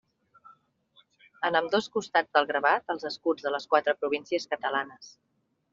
En ambdós costats del gravat els escuts de les quatre províncies catalanes.